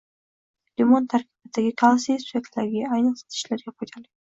Limon tarkibidagi kalsiy suyaklarga, ayniqsa tishlarga foydali.